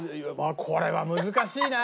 これは難しいな。